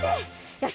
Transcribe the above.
よし。